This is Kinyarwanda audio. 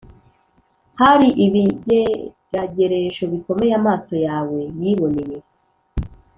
Hari ibigerageresho bikomeye amaso yawe yiboneye